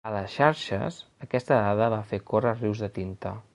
A les xarxes, aquesta dada va fer córrer rius de tinta.